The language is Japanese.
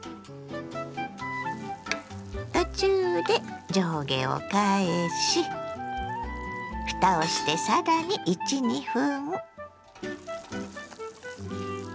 途中で上下を返しふたをしてさらに１２分。